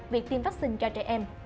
việc tiêm vaccine cho trẻ em